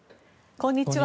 こんにちは。